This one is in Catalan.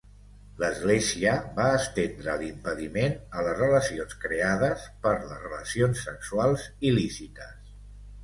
L'església va estendre l'impediment a les relacions creades per les relacions sexuals il·lícites.